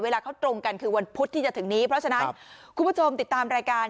เวลาเขาตรงกันคือวันพุธที่จะถึงนี้เพราะฉะนั้นคุณผู้ชมติดตามรายการ